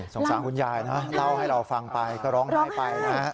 สงสารคุณยายนะเล่าให้เราฟังไปก็ร้องไห้ไปนะฮะ